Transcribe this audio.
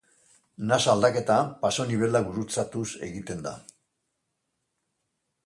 Nasa aldaketa pasonibela gurutzatuz egiten da.